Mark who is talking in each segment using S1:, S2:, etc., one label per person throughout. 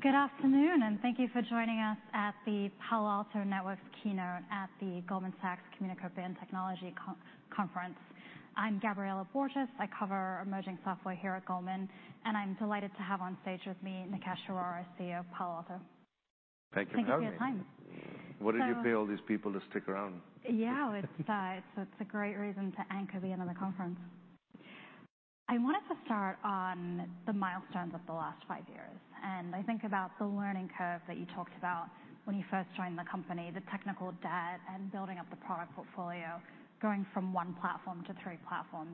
S1: Good afternoon, and thank you for joining us at the Palo Alto Networks keynote at the Goldman Sachs Communacopia + Technology conference. I'm Gabriela Borges. I cover emerging software here at Goldman, and I'm delighted to have on stage with me, Nikesh Arora, CEO of Palo Alto.
S2: Thank you for having me.
S1: Thank you for your time.
S2: What did you pay all these people to stick around?
S1: Yeah, it's, it's a great reason to anchor the end of the conference. I wanted to start on the milestones of the last five years, and I think about the learning curve that you talked about when you first joined the company, the technical debt and building up the product portfolio, going from one platform to three platforms.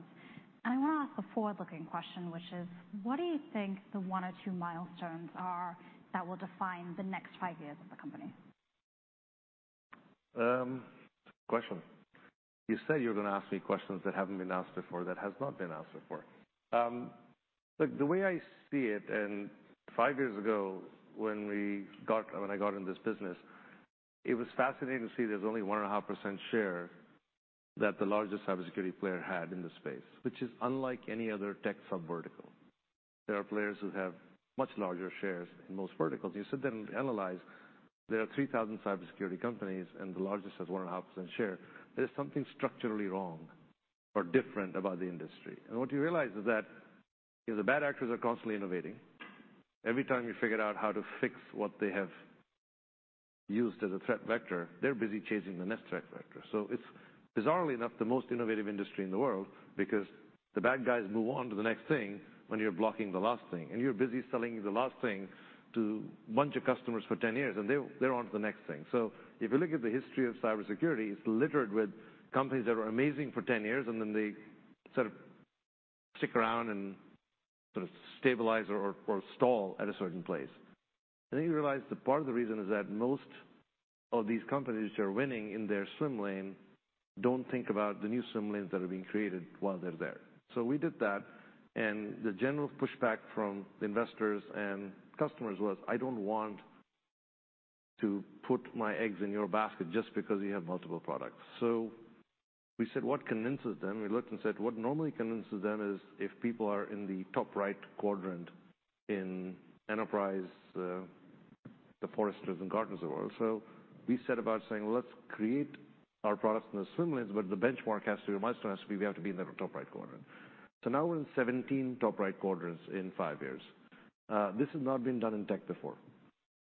S1: And I want to ask a forward-looking question, which is: what do you think the one or two milestones are that will define the next five years of the company?
S2: Good question. You said you were going to ask me questions that haven't been asked before, that has not been asked before. Look, the way I see it, and five years ago, when I got in this business, it was fascinating to see there's only 1.5% share that the largest cybersecurity player had in the space, which is unlike any other tech subvertical. There are players who have much larger shares in most verticals. You sit there and analyze, there are 3,000 cybersecurity companies, and the largest has 1.5% share. There's something structurally wrong or different about the industry. And what you realize is that, the bad actors are constantly innovating. Every time you figure out how to fix what they have used as a threat vector, they're busy chasing the next threat vector. So it's, bizarrely enough, the most innovative industry in the world because the bad guys move on to the next thing when you're blocking the last thing, and you're busy selling the last thing to a bunch of customers for 10 years, and they, they're on to the next thing. So if you look at the history of cybersecurity, it's littered with companies that are amazing for 10 years, and then they sort of stick around and sort of stabilize or, or stall at a certain place. Then you realize that part of the reason is that most of these companies that are winning in their swim lane don't think about the new swim lanes that are being created while they're there. So we did that, and the general pushback from the investors and customers was, "I don't want to put my eggs in your basket just because you have multiple products." So we said, "What convinces them?" We looked and said, what normally convinces them is if people are in the top right quadrant in enterprise, the Forrester and Gartner of the world. So we set about saying, "Let's create our products in the swim lanes, but the benchmark has to, or milestone, has to be we have to be in the top right quadrant." So now we're in 17 top right quadrants in five years. This has not been done in tech before.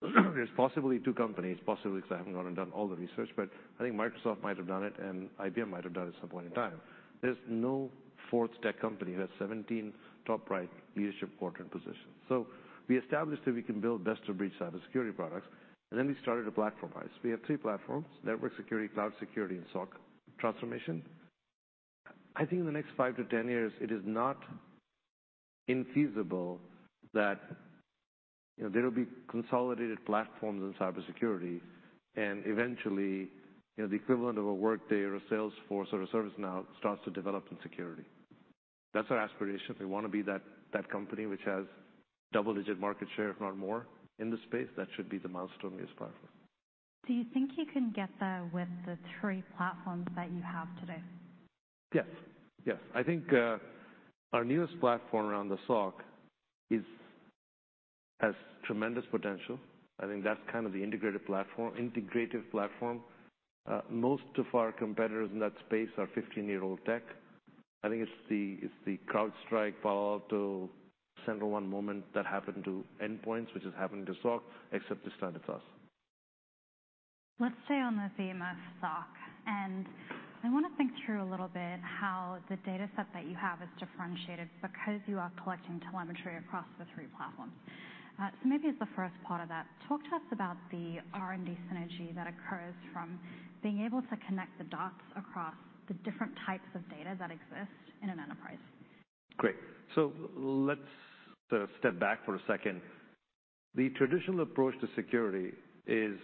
S2: There's possibly two companies, possibly, because I haven't gone and done all the research, but I think Microsoft might have done it, and IBM might have done it at some point in time. There's no fourth tech company who has 17 top right leadership quadrant positions. So we established that we can build best-of-breed cybersecurity products, and then we started to platformize. We have three platforms: network security, cloud security, and SOC transformation. I think in the next 5-10 years, it is not infeasible that, you know, there will be consolidated platforms in cybersecurity, and eventually, you know, the equivalent of a Workday or a Salesforce or a ServiceNow starts to develop in security. That's our aspiration. We want to be that, that company which has double-digit market share, if not more, in the space. That should be the milestone, we aspire for.
S1: Do you think you can get there with the three platforms that you have today?
S2: Yes. Yes. I think, our newest platform around the SOC is... has tremendous potential. I think that's kind of the integrated platform, integrated platform. Most of our competitors in that space are 15-year-old tech. I think it's the, it's the CrowdStrike, Palo Alto, seminal moment that happened to endpoints, which is happening to SOC, except this time it's us.
S1: Let's stay on the theme of SOC. I want to think through a little bit how the data set that you have is differentiated because you are collecting telemetry across the three platforms. So maybe as the first part of that, talk to us about the R&D synergy that occurs from being able to connect the dots across the different types of data that exist in an enterprise.
S2: Great. So let's step back for a second. The traditional approach to security is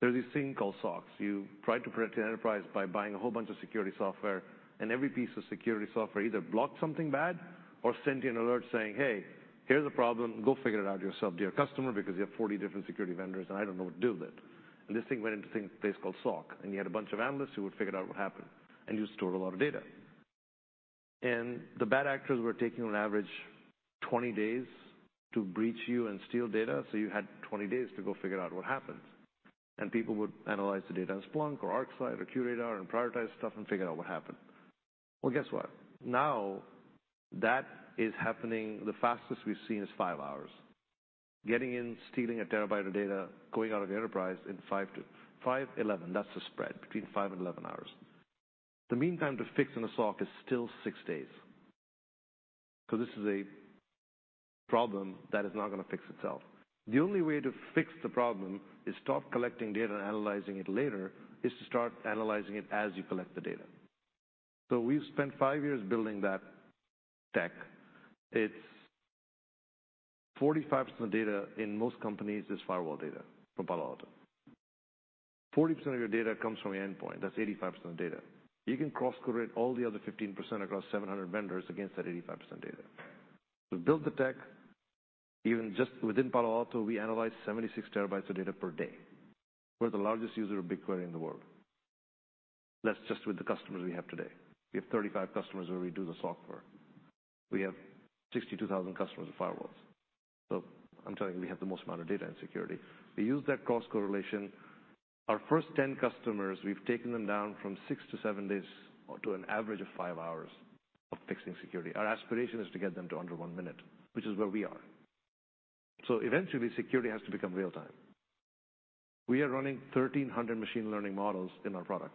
S2: there's this thing called SOCs. You try to protect the enterprise by buying a whole bunch of security software, and every piece of security software either blocked something bad or sent you an alert saying, "Hey, here's a problem. Go figure it out yourself, dear customer, because you have 40 different security vendors, and I don't know what to do with it." And this thing went into a place called SOC, and you had a bunch of analysts who would figure out what happened, and you stored a lot of data. And the bad actors were taking on average 20 days to breach you and steal data, so you had 20 days to go figure out what happened. People would analyze the data in Splunk or ArcSight or QRadar and prioritize stuff and figure out what happened. Well, guess what? Now, that is happening, the fastest we've seen is 5 hours. Getting in, stealing a terabyte of data, going out of the enterprise in 5 to... 5, 11, that's the spread, between 5 and 11 hours. The mean time to fix in a SOC is still 6 days. So this is a problem that is not going to fix itself. The only way to fix the problem is stop collecting data and analyzing it later, is to start analyzing it as you collect the data. So we've spent 5 years building that tech. It's 45% data in most companies is firewall data from Palo Alto. 40% of your data comes from your endpoint. That's 85% data. You can cross-correlate all the other 15% across 700 vendors against that 85% data. We've built the tech. Even just within Palo Alto, we analyze 76 TB of data per day. We're the largest user of BigQuery in the world. That's just with the customers we have today. We have 35 customers where we do the software. We have 62,000 customers with firewalls. So I'm telling you, we have the most amount of data in security. We use that cross-correlation. Our first 10 customers, we've taken them down from 6-7 days to an average of 5 hours of fixing security. Our aspiration is to get them to under 1 minute, which is where we are. So eventually, security has to become real time. We are running 1,300 machine learning models in our product,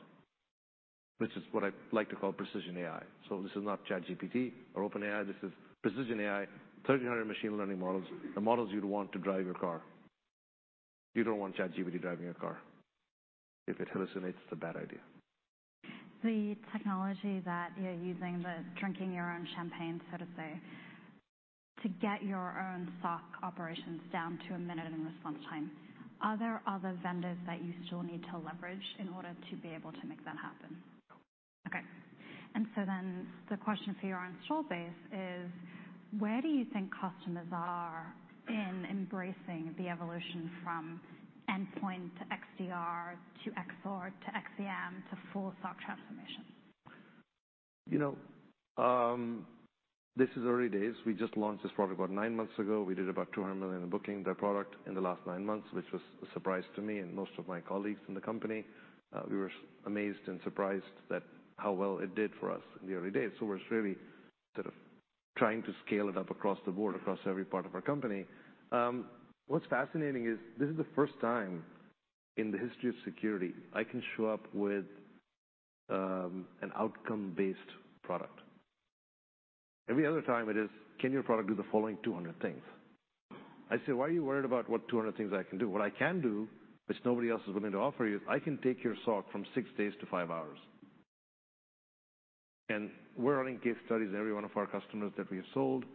S2: which is what I like to call Precision AI. This is not ChatGPT or OpenAI. This is Precision AI. 1,300 machine learning models, the models you'd want to drive your car. You don't want ChatGPT driving your car. If it hallucinates, it's a bad idea.
S1: The technology that you're using, the drinking your own champagne, so to say, to get your own SOC operations down to a minute in response time, are there other vendors that you still need to leverage in order to be able to make that happen? Okay. And so then the question for your installed base is: where do you think customers are in embracing the evolution from endpoint to XDR to XSOAR to XSIAM to full SOC transformation?
S2: You know, this is early days. We just launched this product about nine months ago. We did about $200 million in booking that product in the last nine months, which was a surprise to me and most of my colleagues in the company. We were amazed and surprised at how well it did for us in the early days. So we're really sort of trying to scale it up across the board, across every part of our company. What's fascinating is this is the first time in the history of security I can show up with, an outcome-based product. Every other time it is, "Can your product do the following 200 things?" I say: "Why are you worried about what 200 things I can do? What I can do, which nobody else is willing to offer you, I can take your SOC from 6 days to 5 hours." We're running case studies on every one of our customers that we have sold.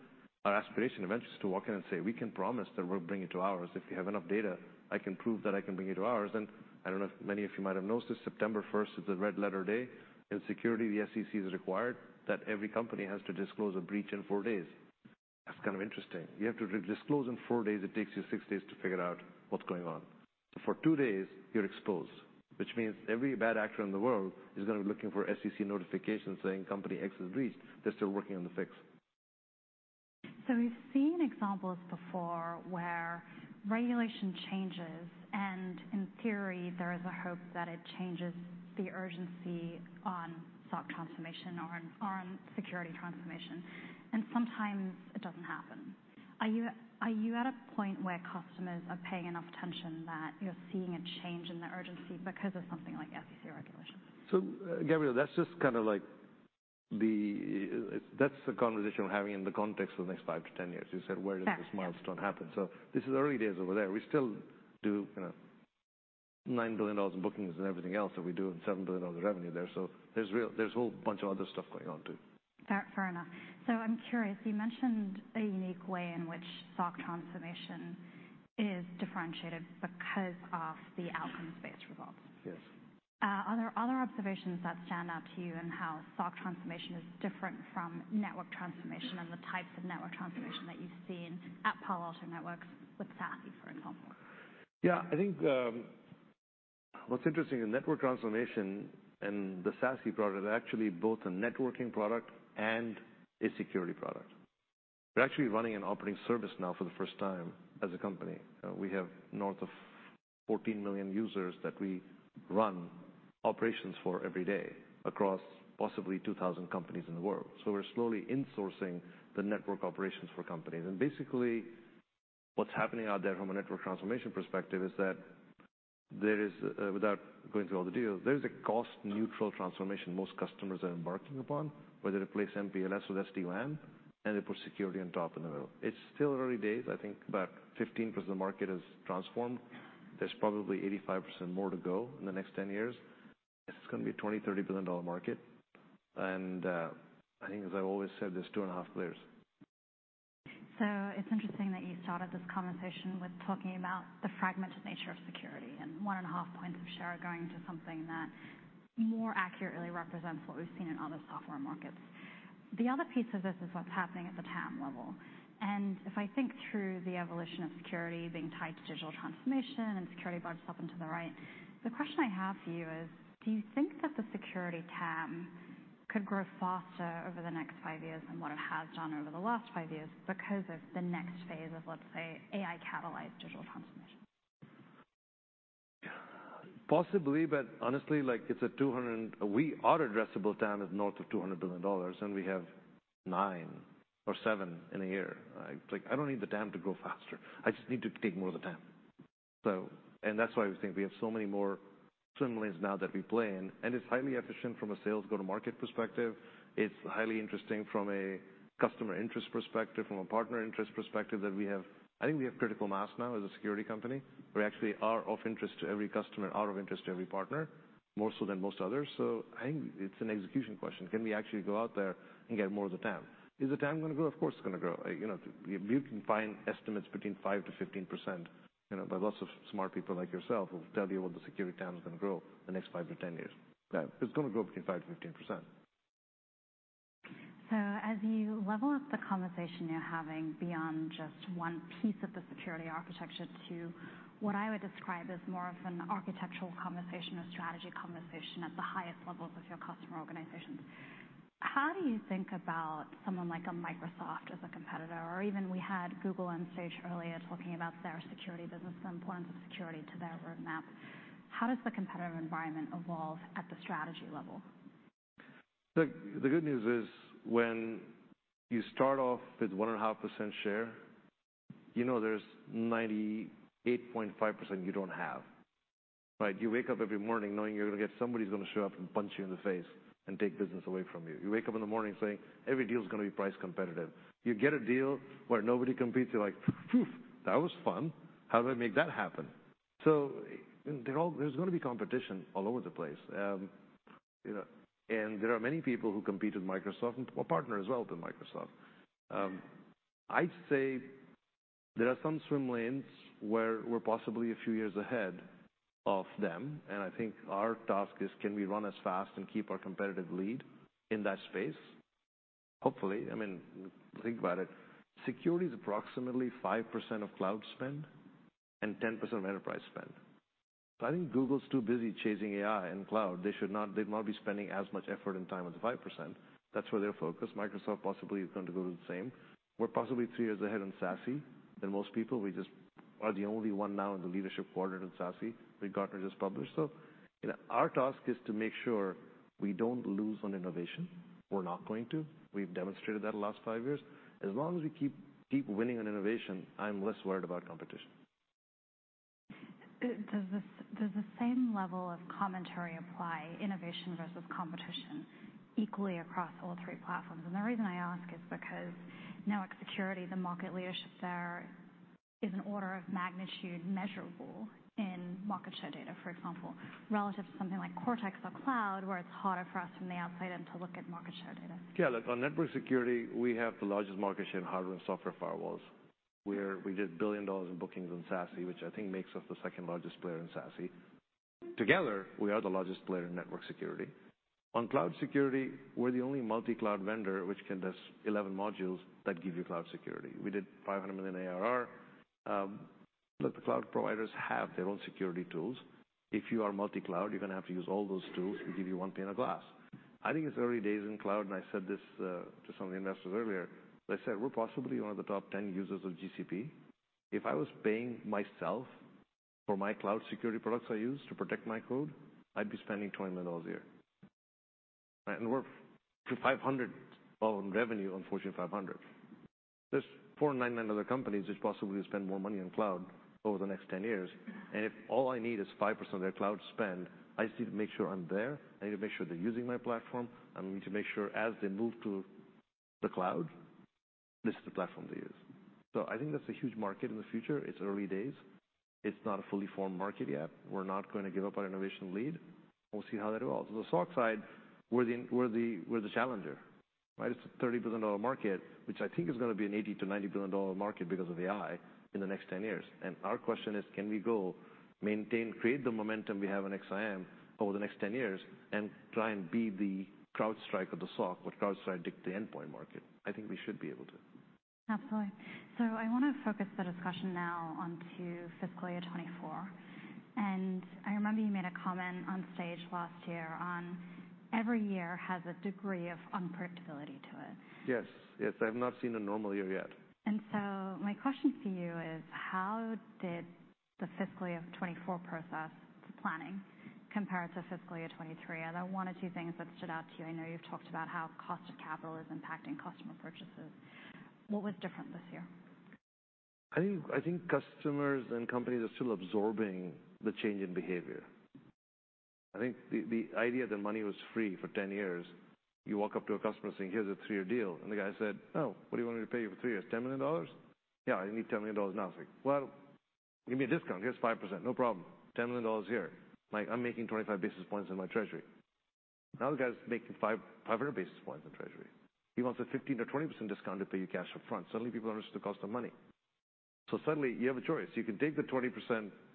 S2: Our aspiration eventually is to walk in and say, "We can promise that we'll bring it to ours. If you have enough data, I can prove that I can bring it to ours." I don't know if many of you might have noticed this, September first is a red-letter day. In security, the SEC has required that every company has to disclose a breach in 4 days. That's kind of interesting. You have to disclose in 4 days what takes you 6 days to figure out what's going on. For two days, you're exposed, which means every bad actor in the world is going to be looking for SEC notifications saying, "Company X is breached." They're still working on the fix.
S1: We've seen examples before where regulation changes, and in theory, there is a hope that it changes the urgency on SOC transformation or on, on security transformation, and sometimes it doesn't happen. Are you, are you at a point where customers are paying enough attention that you're seeing a change in the urgency because of something like SEC regulations?
S2: So, Gabriela, that's just kind of like the... That's the conversation we're having in the context of the next 5-10 years. You said, where does this milestone happen?
S1: Yeah.
S2: So this is early days over there. We still do, you know, $9 billion in bookings and everything else that we do, and $7 billion of revenue there, so there's a whole bunch of other stuff going on, too.
S1: Fair, fair enough. So I'm curious, you mentioned a unique way in which SOC transformation is differentiated because of the outcomes-based results.
S2: Yes.
S1: Are there other observations that stand out to you in how SOC transformation is different from network transformation and the types of network transformation that you've seen at Palo Alto Networks with SASE, for example?
S2: Yeah. I think, what's interesting in network transformation and the SASE product is actually both a networking product and a security product. We're actually running an operating service now for the first time as a company. We have north of 14 million users that we run operations for every day across possibly 2,000 companies in the world. So we're slowly insourcing the network operations for companies. And basically, what's happening out there from a network transformation perspective is that there is, without going through all the details, there's a cost-neutral transformation most customers are embarking upon, whether they place MPLS with SD-WAN, and they put security on top in the middle. It's still early days. I think about 15% of the market is transformed. There's probably 85% more to go in the next 10 years. This is going to be a $20 billion-$30 billion market, and I think as I've always said, there's two and a half players.
S1: So it's interesting that you started this conversation with talking about the fragmented nature of security, and 1.5 points of share going to something that more accurately represents what we've seen in other software markets. The other piece of this is what's happening at the TAM level. If I think through the evolution of security being tied to digital transformation and security grows up and to the right, the question I have for you is: do you think that the security TAM could grow faster over the next five years than what it has done over the last five years because of the next phase of, let's say, AI-catalyzed digital transformation?
S2: Possibly, but honestly, like, it's a $200... Our addressable TAM is north of $200 billion, and we have 9 or 7 in a year. Like, I don't need the TAM to grow faster. I just need to take more of the TAM. So... And that's why we think we have so many more swim lanes now that we play in, and it's highly efficient from a sales go-to-market perspective. It's highly interesting from a customer interest perspective, from a partner interest perspective, that we have. I think we have critical mass now as a security company. We actually are of interest to every customer, are of interest to every partner, more so than most others. So I think it's an execution question. Can we actually go out there and get more of the TAM? Is the TAM going to grow? Of course, it's going to grow. You know, you can find estimates between 5%-15%, you know, by lots of smart people like yourself, who will tell you, well, the security TAM is going to grow the next 5-10 years. It's going to grow between 5%-15%.
S1: So as you level up the conversation you're having beyond just one piece of the security architecture to what I would describe as more of an architectural conversation, a strategy conversation at the highest levels of your customer organizations, how do you think about someone like a Microsoft as a competitor? Or even we had Google on stage earlier talking about their security business and importance of security to their roadmap. How does the competitive environment evolve at the strategy level?
S2: The good news is, when you start off with 1.5% share, you know there's 98.5% you don't have, right? You wake up every morning knowing you're gonna get somebody's gonna show up and punch you in the face and take business away from you. You wake up in the morning saying, "Every deal is gonna be price competitive." You get a deal where nobody competes, you're like, "Phew, that was fun. How do I make that happen?" So there's gonna be competition all over the place. You know, and there are many people who compete with Microsoft and partner as well with Microsoft. I'd say there are some swim lanes where we're possibly a few years ahead of them, and I think our task is, can we run as fast and keep our competitive lead in that space? Hopefully. I mean, think about it. Security is approximately 5% of cloud spend and 10% of enterprise spend. So I think Google's too busy chasing AI and cloud. They should not, they'd not be spending as much effort and time on the 5%. That's where they're focused. Microsoft possibly is going to go do the same. We're possibly three years ahead in SASE than most people. We just are the only one now in the leadership quadrant in SASE. Gartner just published. So, you know, our task is to make sure we don't lose on innovation. We're not going to. We've demonstrated that the last five years. As long as we keep, keep winning on innovation, I'm less worried about competition.
S1: Does the same level of commentary apply, innovation versus competition, equally across all three platforms? The reason I ask is because network security, the market leadership there is an order of magnitude measurable in market share data, for example, relative to something like Cortex or Cloud, where it's harder for us from the outside in to look at market share data.
S2: Yeah, look, on network security, we have the largest market share in hardware and software firewalls, where we did $1 billion in bookings on SASE, which I think makes us the second-largest player in SASE. Together, we are the largest player in network security. On cloud security, we're the only multi-cloud vendor which can do 11 modules that give you cloud security. We did $500 million ARR. Look, the cloud providers have their own security tools. If you are multi-cloud, you're gonna have to use all those tools to give you one pane of glass. I think it's early days in cloud, and I said this to some of the investors earlier. I said, "We're possibly one of the top 10 users of GCP." If I was paying myself for my cloud security products I use to protect my code, I'd be spending $20 million a year. And we're 500 on revenue on Fortune 500. There's 499 other companies which possibly spend more money on cloud over the next 10 years, and if all I need is 5% of their cloud spend, I just need to make sure I'm there. I need to make sure they're using my platform. I need to make sure as they move to the cloud, this is the platform they use. So I think that's a huge market in the future. It's early days. It's not a fully formed market yet. We're not going to give up our innovation lead. We'll see how that evolves. So the SOC side, we're the challenger, right? It's a $30 billion market, which I think is going to be an $80 billion-$90 billion market because of AI in the next 10 years. And our question is: Can we go maintain, create the momentum we have in XSIAM over the next 10 years and try and be the CrowdStrike of the SOC, what CrowdStrike did to the endpoint market? I think we should be able to.
S1: Absolutely. So I want to focus the discussion now onto fiscal year 2024. And I remember you made a comment on stage last year on every year has a degree of unpredictability to it.
S2: Yes. Yes, I've not seen a normal year yet.
S1: So my question to you is: How did the fiscal year of 2024 process planning compare to fiscal year 2023? Are there one or two things that stood out to you? I know you've talked about how cost of capital is impacting customer purchases. What was different this year?
S2: I think, I think customers and companies are still absorbing the change in behavior. I think the idea that money was free for 10 years, you walk up to a customer saying, "Here's a 3-year deal," and the guy said, "Oh, what do you want me to pay you for three years? $10 million?" "Yeah, I need $10 million now." He's like, "Well, give me a discount. Here's 5%." "No problem. $10 million here. Like, I'm making 25 basis points in my treasury." Now, the guy's making 500 basis points in treasury. He wants a 15%-20% discount to pay you cash up front. Suddenly, people understand the cost of money. So suddenly, you have a choice. You can take the 20%,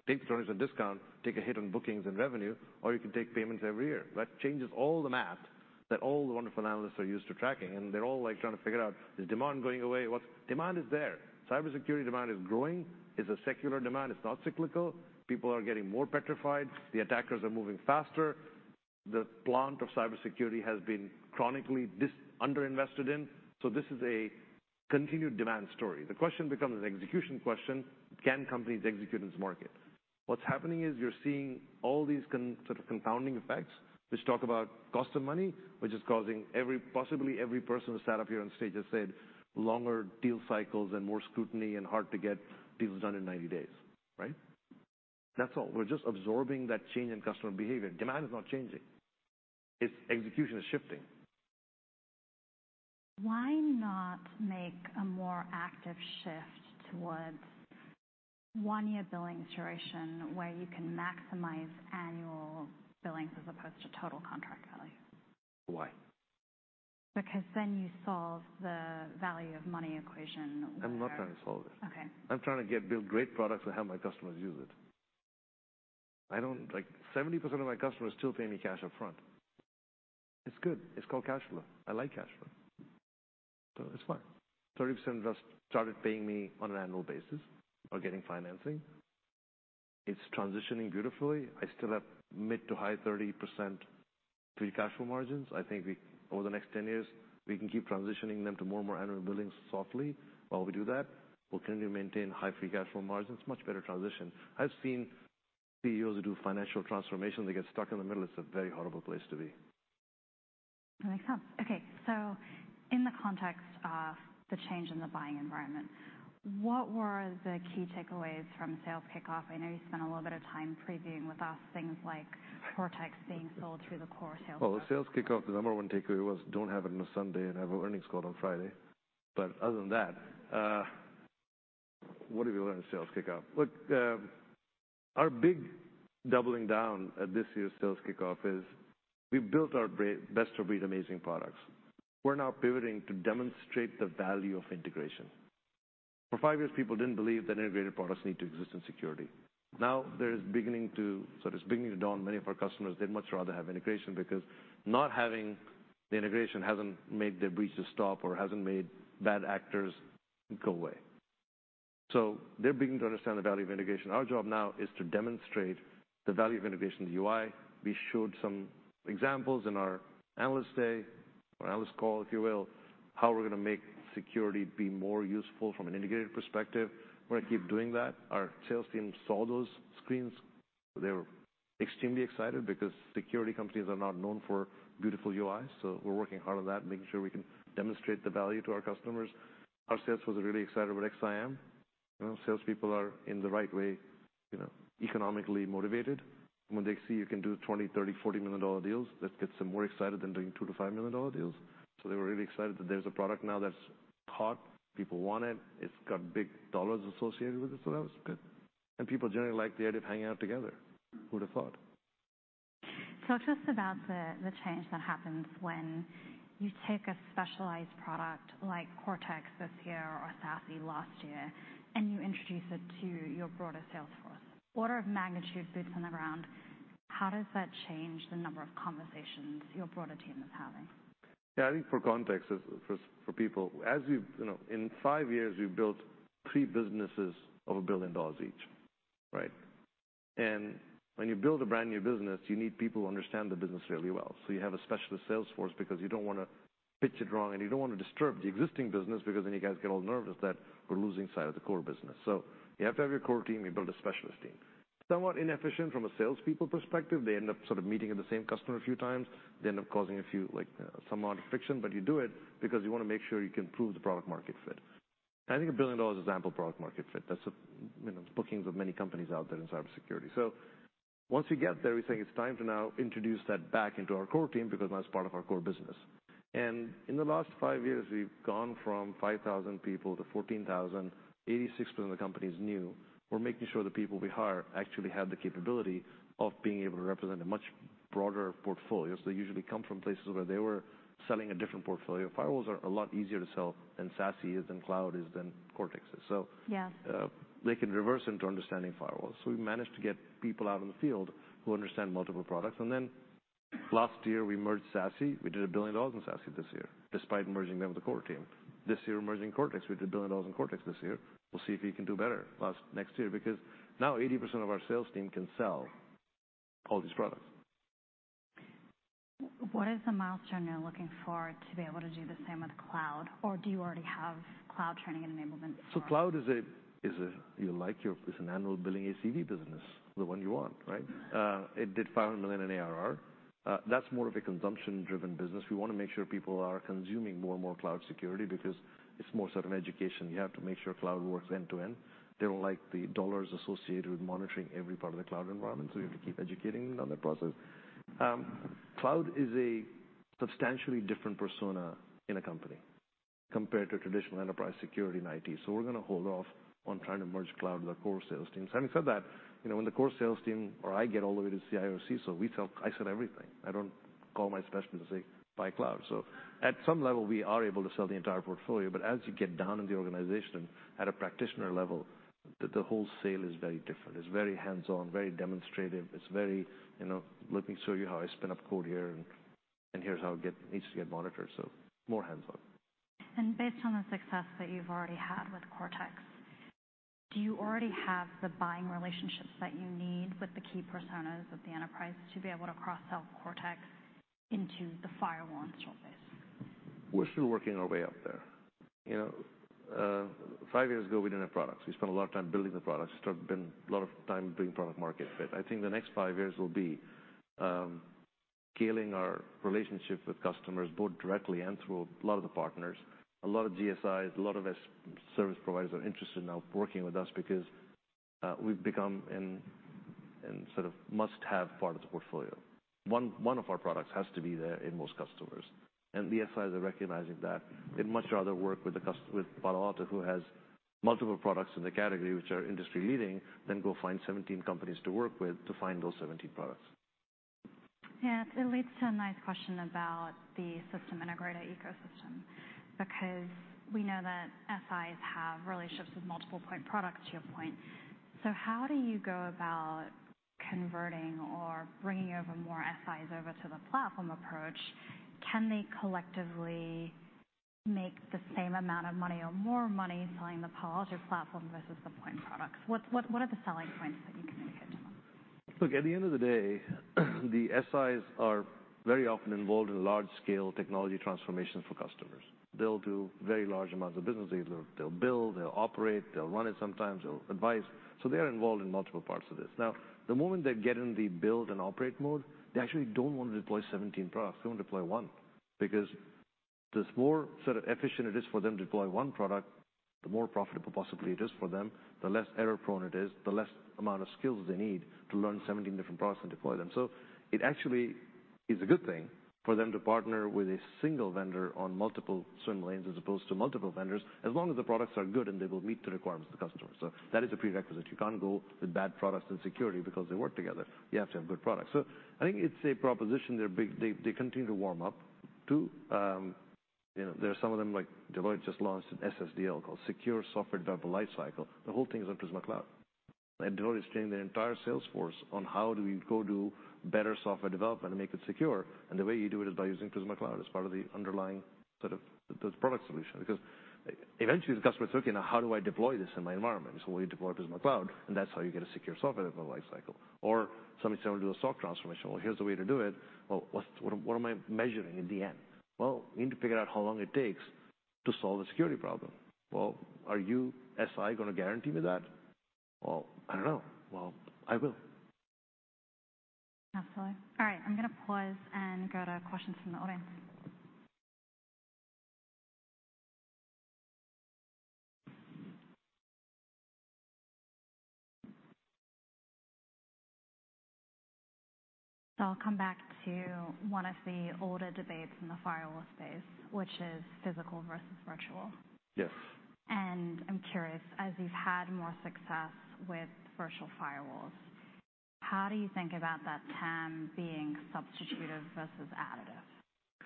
S2: take the 20% discount, take a hit on bookings and revenue, or you can take payments every year. That changes all the math that all the wonderful analysts are used to tracking, and they're all, like, trying to figure out, is demand going away? What's... Demand is there. Cybersecurity demand is growing. It's a secular demand. It's not cyclical. People are getting more petrified. The attackers are moving faster. The plant of cybersecurity has been chronically underinvested in, so this is a continued demand story. The question becomes an execution question: Can companies execute in this market? What's happening is you're seeing all these sort of compounding effects, which talk about cost of money, which is causing every, possibly every person who sat up here on stage has said longer deal cycles and more scrutiny and hard to get deals done in 90 days, right? That's all. We're just absorbing that change in customer behavior. Demand is not changing. It's execution is shifting.
S1: Why not make a more active shift towards one-year billing duration, where you can maximize annual billings as opposed to total contract value?
S2: Why?
S1: Because then you solve the value of money equation where-
S2: I'm not trying to solve it.
S1: Okay.
S2: I'm trying to get, build great products and have my customers use it. I don't, like, 70% of my customers still pay me cash up front. It's good. It's called cash flow. I like cash flow, so it's fine. 30% just started paying me on an annual basis or getting financing. It's transitioning beautifully. I still have mid- to high 30% free cash flow margins. I think we, over the next 10 years, we can keep transitioning them to more and more annual billings softly. While we do that, we'll continue to maintain high free cash flow margins, much better transition. I've seen CEOs who do financial transformation, they get stuck in the middle. It's a very horrible place to be.
S1: That makes sense. Okay, so in the context of the change in the buying environment, what were the key takeaways from sales kickoff? I know you spent a little bit of time previewing with us things like Cortex being sold through the core sales.
S2: Well, the sales kickoff, the number one takeaway was, don't have it on a Sunday and have earnings call on Friday. But other than that, what did we learn in sales kickoff? Look, our big doubling down at this year's sales kickoff is we've built our best-of-breed amazing products. We're now pivoting to demonstrate the value of integration. For five years, people didn't believe that integrated products need to exist in security. Now, it's beginning to dawn on many of our customers they'd much rather have integration, because not having the integration hasn't made the breaches stop or hasn't made bad actors go away. So they're beginning to understand the value of integration. Our job now is to demonstrate the value of integration in the UI. We showed some examples in our analyst day, or analyst call, if you will, how we're going to make security be more useful from an integrated perspective. We're going to keep doing that. Our sales team saw those screens. They were extremely excited because security companies are not known for beautiful UIs, so we're working hard on that, making sure we can demonstrate the value to our customers. Our sales force was really excited about XSIAM. You know, salespeople are, in the right way, you know, economically motivated. When they see you can do $20 million, $30 million, $40 million deals, that gets them more excited than doing $2 million-$5 million deals. So they were really excited that there's a product now that's hot, people want it. It's got big dollars associated with it, so that was good. And people generally like the idea of hanging out together. Who would've thought?
S1: So, just about the change that happens when you take a specialized product like Cortex this year or SASE last year, and you introduce it to your broader sales force. Order of magnitude, boots on the ground, how does that change the number of conversations your broader team is having?
S2: Yeah, I think for context, as for people, as you know, in five years, we've built three businesses of $1 billion each, right? And when you build a brand-new business, you need people who understand the business fairly well. So you have a specialist sales force because you don't want to pitch it wrong, and you don't want to disturb the existing business, because then you guys get all nervous that we're losing sight of the core business. So you have to have your core team, you build a specialist team. Somewhat inefficient from a salespeople perspective. They end up sort of meeting with the same customer a few times. They end up causing a few, like, some odd friction, but you do it because you want to make sure you can prove the product market fit. I think $1 billion is an ample product market fit. That's, you know, bookings of many companies out there in cybersecurity. So once we get there, we say it's time to now introduce that back into our core team, because now it's part of our core business. And in the last five years, we've gone from 5,000 people to 14,000. 86% of the company is new. We're making sure the people we hire actually have the capability of being able to represent a much broader portfolio. So they usually come from places where they were selling a different portfolio. Firewalls are a lot easier to sell than SASE, than Cloud is, than Cortex is, so-
S1: Yeah.
S2: They can reverse into understanding firewalls. So we've managed to get people out in the field who understand multiple products. And then last year, we merged SASE. We did $1 billion in SASE this year, despite merging them with the core team. This year, we're merging Cortex. We did $1 billion in Cortex this year. We'll see if we can do better next year, because now 80% of our sales team can sell all these products.
S1: What is the milestone you're looking for to be able to do the same with Cloud, or do you already have cloud training and enablement?
S2: Cloud is a, you know, like, it's an annual billing ACV business, the one you want, right?
S1: Mm-hmm.
S2: It did $500 million in ARR. That's more of a consumption-driven business. We want to make sure people are consuming more and more cloud security because it's more sort of an education. You have to make sure cloud works end to end. They don't like the dollars associated with monitoring every part of the cloud environment, so you have to keep educating them on that process. Cloud is a substantially different persona in a company compared to traditional enterprise security and IT. So we're going to hold off on trying to merge cloud with our core sales team. Having said that, you know, when the core sales team or I get all the way to CIO or CISO, we sell... I sell everything. I don't call my specialist and say, "Buy cloud." So at some level, we are able to sell the entire portfolio, but as you get down in the organization at a practitioner level, the whole sale is very different. It's very hands-on, very demonstrative. It's very, you know, "Let me show you how I spin up code here, and here's how it needs to get monitored." So more hands-on.
S1: Based on the success that you've already had with Cortex, do you already have the buying relationships that you need with the key personas of the enterprise to be able to cross-sell Cortex into the firewall install base?
S2: We're still working our way up there. You know, five years ago, we didn't have products. We spent a lot of time building the products, spent a lot of time doing product market fit. I think the next five years will be scaling our relationship with customers, both directly and through a lot of the partners. A lot of GSIs, a lot of service providers are interested now working with us because we've become a sort of must-have part of the portfolio. One of our products has to be there in most customers, and the GSIs are recognizing that. They'd much rather work with Palo Alto, who has multiple products in the category, which are industry-leading, than go find 17 companies to work with to find those 17 products.
S1: Yeah, it leads to a nice question about the system integrator ecosystem, because we know that SIs have relationships with multiple point products, to your point. So how do you go about converting or bringing over more SIs over to the platform approach? Can they collectively make the same amount of money or more money selling the Palo Alto platform versus the point products? What, what, what are the selling points that you communicate to them?
S2: Look, at the end of the day, the SIs are very often involved in large-scale technology transformations for customers. They'll do very large amounts of business. They, they'll build, they'll operate, they'll run it sometimes, they'll advise. So they are involved in multiple parts of this. Now, the moment they get in the build and operate mode, they actually don't want to deploy 17 products. They want to deploy one, because the more sort of efficient it is for them to deploy one product, the more profitable possibly it is for them, the less error-prone it is, the less amount of skills they need to learn 17 different products and deploy them. So it actually is a good thing for them to partner with a single vendor on multiple swim lanes, as opposed to multiple vendors, as long as the products are good and they will meet the requirements of the customer. So that is a prerequisite. You can't go with bad products and security, because they work together. You have to have good products. So I think it's a proposition they continue to warm up to, you know, there are some of them, like Deloitte just launched an SSDL, called Secure Software Development Lifecycle. The whole thing is on Prisma Cloud, and Deloitte is training their entire sales force on how do we go do better software development and make it secure, and the way you do it is by using Prisma Cloud as part of the underlying sort of the product solution. Because eventually, the customer is looking at how do I deploy this in my environment? So well, you deploy Prisma Cloud, and that's how you get a secure software development lifecycle. Or somebody saying, "We'll do a SOC transformation." Well, here's the way to do it. "Well, what am I measuring in the end?" Well, you need to figure out how long it takes to solve the security problem. "Well, are you SIs going to guarantee me that?" "Well, I don't know. Well, I will.
S1: Absolutely. All right, I'm going to pause and go to questions from the audience. So I'll come back to one of the older debates in the firewall space, which is physical versus virtual.
S2: Yes.
S1: I'm curious, as you've had more success with virtual firewalls, how do you think about that TAM being substitutive versus additive?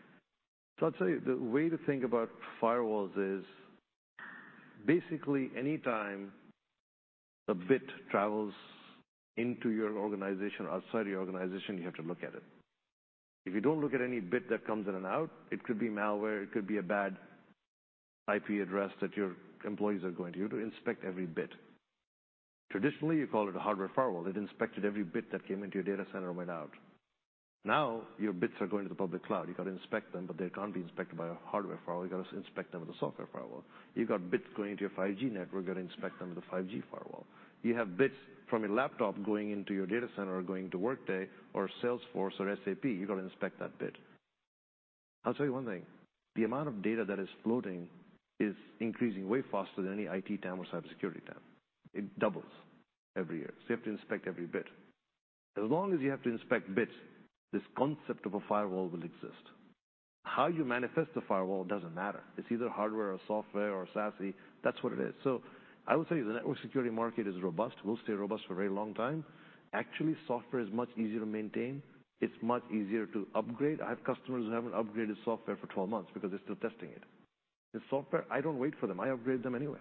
S2: So I'll tell you, the way to think about firewalls is basically anytime a bit travels into your organization or outside your organization, you have to look at it. If you don't look at any bit that comes in and out, it could be malware, it could be a bad IP address that your employees are going to. You have to inspect every bit. Traditionally, you call it a hardware firewall. It inspected every bit that came into your data center or went out. Now, your bits are going to the public cloud. You've got to inspect them, but they can't be inspected by a hardware firewall. You've got to inspect them with a software firewall. You've got bits going into your 5G network. You've got to inspect them with a 5G firewall. You have bits from your laptop going into your data center or going to Workday or Salesforce or SAP. You've got to inspect that bit. I'll tell you one thing, the amount of data that is floating is increasing way faster than any IT TAM or cybersecurity TAM. It doubles every year, so you have to inspect every bit. As long as you have to inspect bits, this concept of a firewall will exist. How you manifest the firewall doesn't matter. It's either hardware or software or SASE. That's what it is. So I would say the network security market is robust, will stay robust for a very long time. Actually, software is much easier to maintain. It's much easier to upgrade. I have customers who haven't upgraded software for 12 months because they're still testing it. The software, I don't wait for them. I upgrade them anyway.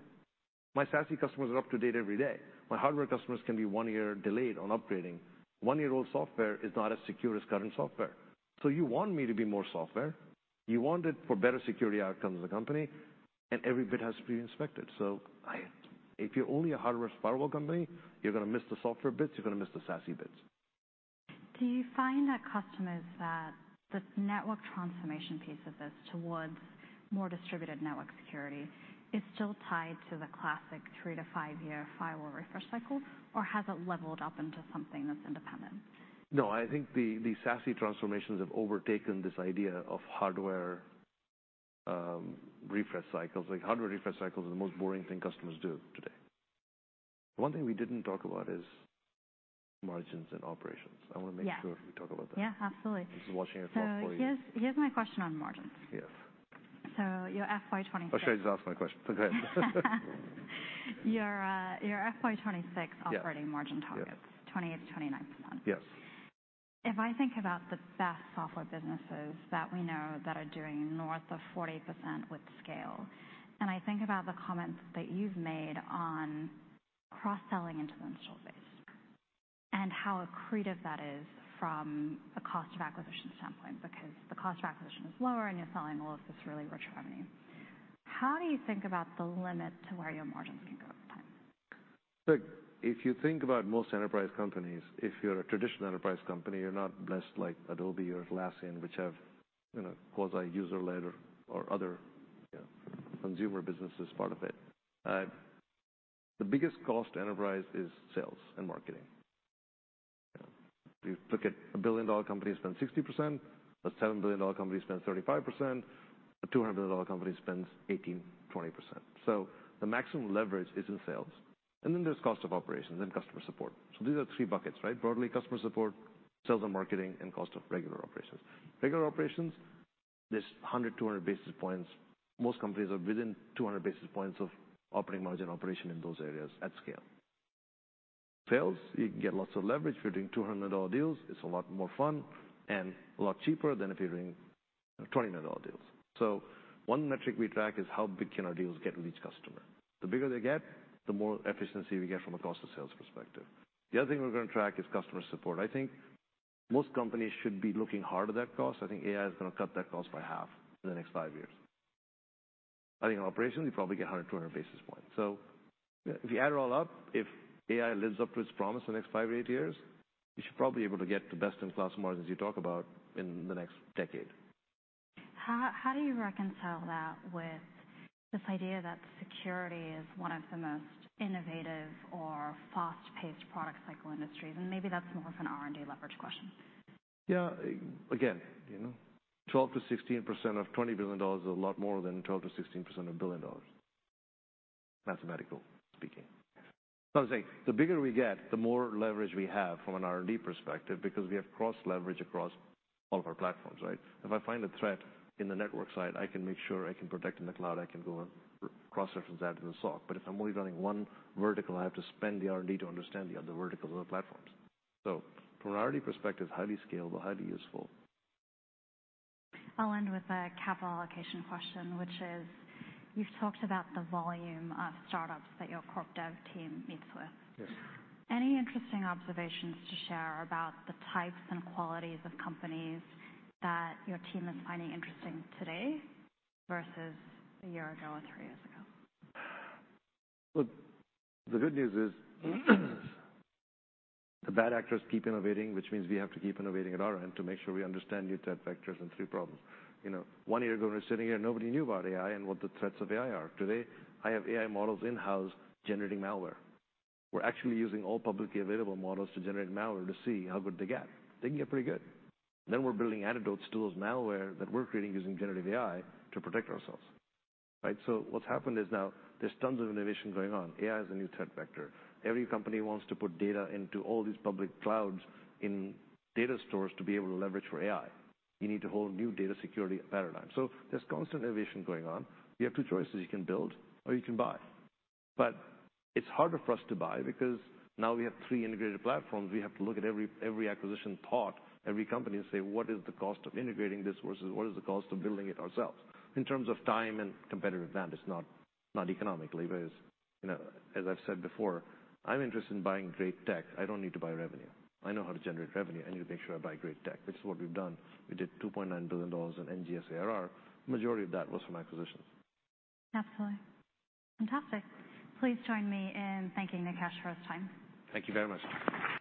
S2: My SASE customers are up to date every day. My hardware customers can be one year delayed on upgrading. One-year-old software is not as secure as current software. So you want me to be more software. You want it for better security outcomes of the company, and every bit has to be inspected. So, if you're only a hardware firewall company, you're going to miss the software bits, you're going to miss the SASE bits.
S1: Do you find that customers, this network transformation piece of this towards more distributed network security is still tied to the classic 3-5-year firewall refresh cycle, or has it leveled up into something that's independent?
S2: No, I think the SASE transformations have overtaken this idea of hardware refresh cycles. Like, hardware refresh cycles are the most boring thing customers do today. One thing we didn't talk about is margins and operations.
S1: Yeah.
S2: I want to make sure we talk about that.
S1: Yeah, absolutely.
S2: Just watching it for you.
S1: So here's my question on margins.
S2: Yes.
S1: Your FY 2026-
S2: Oh, should I just ask my question? Go ahead.
S1: Your FY 2026-
S2: Yes....
S1: operating margin targets.
S2: Yes.
S1: 28%-29%.
S2: Yes.
S1: If I think about the best software businesses that we know that are doing north of 40% with scale, and I think about the comments that you've made on cross-selling into the install base and how accretive that is from a cost of acquisition standpoint, because the cost of acquisition is lower and you're selling all of this really rich revenue, how do you think about the limit to where your margins can go over time?
S2: Look, if you think about most enterprise companies, if you're a traditional enterprise company, you're not blessed like Adobe or Atlassian, which have, you know, quasi user-led or, or other, you know, consumer businesses part of it. The biggest cost to enterprise is sales and marketing. You look at a billion-dollar company spends 60%, a seven billion dollar company spends 35%, a two hundred billion dollar company spends 18%-20%. So the maximum leverage is in sales, and then there's cost of operations and customer support. So these are the three buckets, right? Broadly, customer support, sales and marketing, and cost of regular operations. Regular operations, there's 100-200 basis points. Most companies are within 200 basis points of operating margin operation in those areas at scale. Sales, you can get lots of leverage. If you're doing $200 deals, it's a lot more fun and a lot cheaper than if you're doing $20 deals. One metric we track is how big can our deals get with each customer? The bigger they get, the more efficiency we get from a cost of sales perspective. The other thing we're gonna track is customer support. I think most companies should be looking hard at that cost. I think AI is gonna cut that cost by half in the next 5 years. I think in operations, you probably get 100, 200 basis points. If you add it all up, if AI lives up to its promise in the next 5 or 8 years, you should probably be able to get the best-in-class margins you talk about in the next decade.
S1: How, how do you reconcile that with this idea that security is one of the most innovative or fast-paced product cycle industries? Maybe that's more of an R&D leverage question.
S2: Yeah. Again, you know, 12%-16% of $20 billion is a lot more than 12%-16% of $1 billion, mathematically speaking. So I'll say, the bigger we get, the more leverage we have from an R&D perspective because we have cross-leverage across all of our platforms, right? If I find a threat in the network side, I can make sure I can protect in the cloud. I can go and cross-reference that in the SOC. But if I'm only running one vertical, I have to spend the R&D to understand the other verticals of the platforms. So from an R&D perspective, highly scalable, highly useful.
S1: I'll end with a capital allocation question, which is, you've talked about the volume of startups that your corp dev team meets with.
S2: Yes.
S1: Any interesting observations to share about the types and qualities of companies that your team is finding interesting today versus a year ago or three years ago?
S2: Look, the good news is, the bad actors keep innovating, which means we have to keep innovating at our end to make sure we understand new threat vectors and three problems. You know, one year ago, we were sitting here, nobody knew about AI and what the threats of AI are. Today, I have AI models in-house generating malware. We're actually using all publicly available models to generate malware to see how good they get. They can get pretty good. Then we're building antidotes to those malware that we're creating using generative AI to protect ourselves, right? So what's happened is now there's tons of innovation going on. AI is a new threat vector. Every company wants to put data into all these public clouds in data stores to be able to leverage for AI. You need a whole new data security paradigm. So there's constant innovation going on. You have two choices: You can build or you can buy. But it's harder for us to buy because now we have three integrated platforms. We have to look at every acquisition target, every company, and say, "What is the cost of integrating this versus what is the cost of building it ourselves?" In terms of time and competitive advantage, not economically, but, you know, as I've said before, I'm interested in buying great tech. I don't need to buy revenue. I know how to generate revenue. I need to make sure I buy great tech, which is what we've done. We did $2.9 billion in NGS ARR. Majority of that was from acquisitions.
S1: Absolutely. Fantastic. Please join me in thanking Nikesh for his time.
S2: Thank you very much.